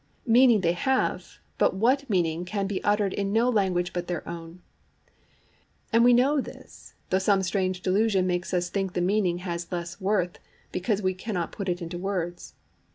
Meaning they have, but what meaning can be uttered in no language but their own: and we know this, though some strange delusion makes us think the meaning has less worth, because we cannot put it into words.